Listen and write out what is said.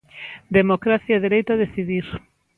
Democracia e dereito a decidir.